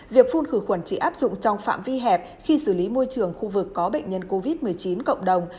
việc phun khử khuẩn chỉ áp dụng trong phạm vi hẹp khi xử lý môi trường khu vực có bệnh nhân covid một mươi chín cộng đồng